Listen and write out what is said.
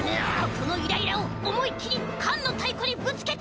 そのイライラをおもいっきりかんのタイコにぶつけて！